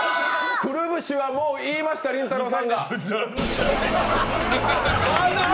くるぶしはもう言いました、りんたろーさんが。